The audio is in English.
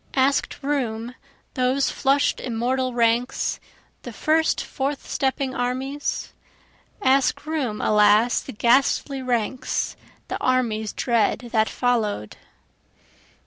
Ask'd room those flush'd immortal ranks, the first forth stepping armies? Ask room alas the ghastly ranks, the armies dread that follow'd.